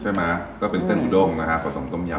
ใช่มั้ยก็เป็นเส้นอูดงนะครับผสมต้มยำ